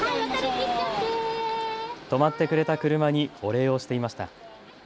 止まってくれた車にお礼をしていました。